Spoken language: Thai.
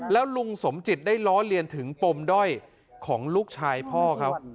แล้วลุงสมจิตได้ล้อเลียนถึงปมด้อยของลูกชายพ่อเขา